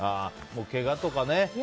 けがとかね。